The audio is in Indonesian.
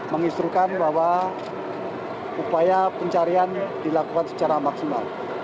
menginstrukan bahwa upaya pencarian dilakukan secara maksimal